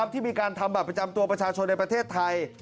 ที่มีการทำบัตรประจำตัวประชาชนในประเทศไทย